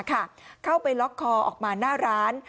เข้าไปล็อกคอออกมาหน้าร้าน